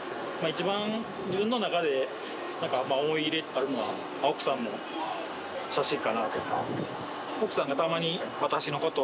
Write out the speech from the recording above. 一番、自分の中で思い入れがあるのは、奥さんの写真かなと。